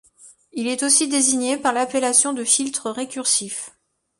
Il est aussi désigné par l'appellation de filtre récursif.